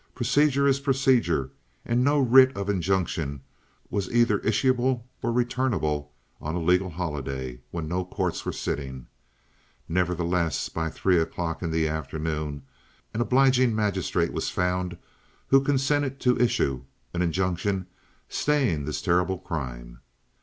Procedure is procedure, and no writ of injunction was either issuable or returnable on a legal holiday, when no courts were sitting. Nevertheless, by three o'clock in the afternoon an obliging magistrate was found who consented to issue an injunction staying this terrible crime.